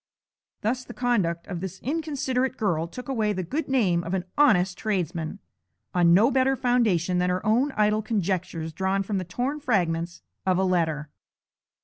Thus the conduct of this inconsiderate girl took away the good name of an honest tradesman, on no better foundation than her own idle conjectures drawn from the torn fragments of a letter.